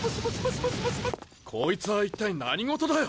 こいつは一体何ごとだよ！